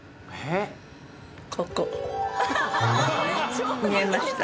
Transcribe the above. ここ、見えました？